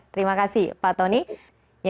terima kasih pak tony